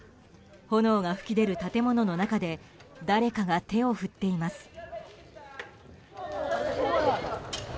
炎が噴き出る建物の中で誰かが手を振っています。